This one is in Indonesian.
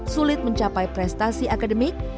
sulit mencapai prestasi akademik